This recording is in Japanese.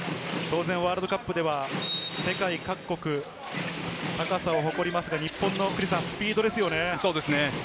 当然、ワールドカップでは世界各国、高さを誇りますが、日本のスピードですよね。